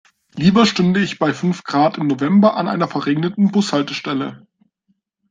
Lieber stünde ich bei fünf Grad im November an einer verregneten Bushaltestelle.